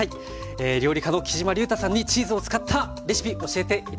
料理家のきじまりゅうたさんにチーズを使ったレシピ教えて頂きました。